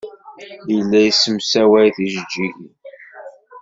Yella yessemsaway tijejjigin.